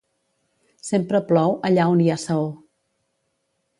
Sempre plou allà on hi ha saó.